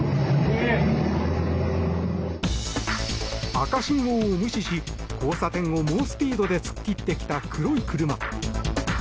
赤信号を無視し交差点を猛スピードで突っ切ってきた黒い車。